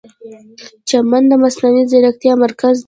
چین د مصنوعي ځیرکتیا مرکز دی.